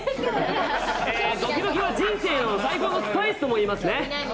ドキドキは人生の最高のスパイスといいますね。